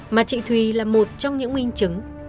mà chị thùy là một trong những nguyên chứng